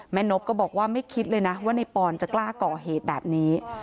นบก็บอกว่าไม่คิดเลยนะว่าในปอนจะกล้าก่อเหตุแบบนี้